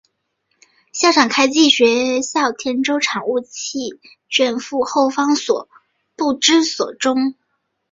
校长开济携学校田洲产物契券赴后方后不知所踪。